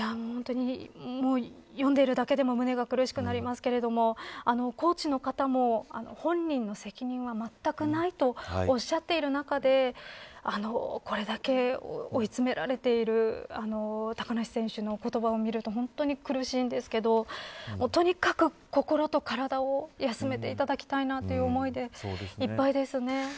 本当に読んでいるだけでも胸が苦しくなりますがコーチの方も本人の責任はまったくないとおっしゃっている中でこれだけ追い詰められている高梨選手の言葉を見ると本当に苦しいんですけどとにかく、心と体を休めていただきたいなという思いでいっぱいです。